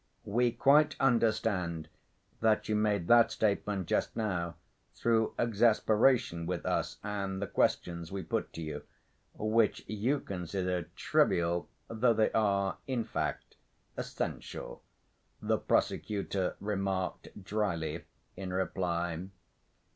"We quite understand that you made that statement just now through exasperation with us and the questions we put to you, which you consider trivial, though they are, in fact, essential," the prosecutor remarked dryly in reply.